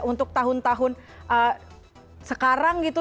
untuk tahun tahun sekarang gitu